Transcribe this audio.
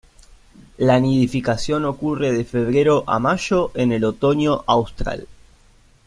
La nidificación ocurre de febrero a mayo, en el otoño austral.